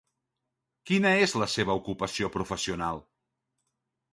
Quina és la seva ocupació professional?